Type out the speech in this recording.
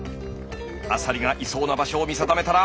アサリがいそうな場所を見定めたら。